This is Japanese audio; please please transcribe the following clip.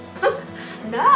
なあ。